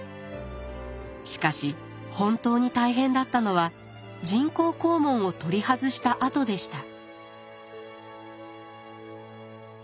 しかし本当に大変だったのは人工肛門を取り外したあとでした。